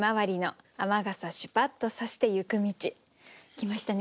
来ましたね